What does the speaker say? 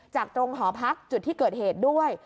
ตรงหอพักจุดที่เกิดเหตุด้วย